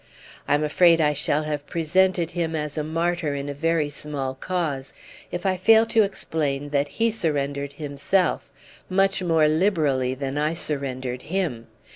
I'm afraid I shall have presented him as a martyr in a very small cause if I fail to explain that he surrendered himself much more liberally than I surrendered him.